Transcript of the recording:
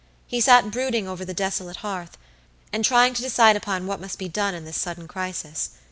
He sat brooding over the desolate hearth, and trying to decide upon what must be done in this sudden crisis.